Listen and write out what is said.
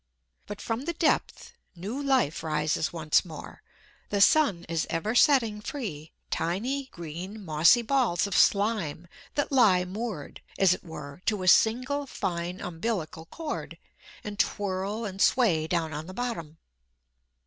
But from the depth new life rises once more; the sun is ever setting free tiny, green, mossy balls of slime that lie moored, as it were, to a single fine umbilical cord, and twirl and sway down on the bottom.